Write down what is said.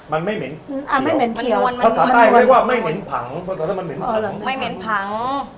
มันไม่เหม็น